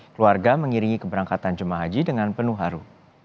keluarga mengiringi keberangkatan jemaah haji dengan penuh haru